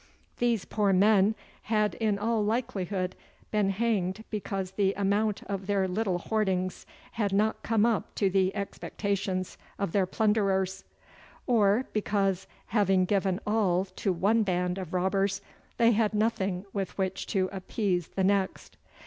These poor men had in all likelihood been hanged because the amount of their little hoardings had not come up to the expectations of their plunderers; or because, having given all to one band of robbers, they had nothing with which to appease the next.